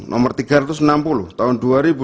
nomor tiga ratus enam puluh tahun dua ribu dua